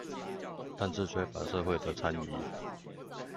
但是缺乏社會的參與